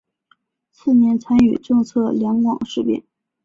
次年参与策动两广事变。